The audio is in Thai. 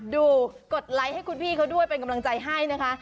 กดไลค์ให้คุณพี่เขาด้วยเป็นกำลังใจให้นะคะ